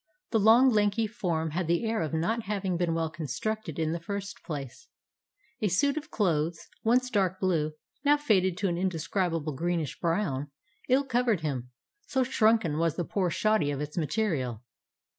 The long, lanky form had the air of not having been well constructed in the first place; a suit of clothes, once dark blue — now faded to an indescribable greenish brown — ill covered him, so shrunken was the poor shoddy of its material.